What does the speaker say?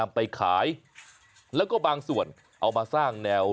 ไม่อยากออกจากบ้านเลย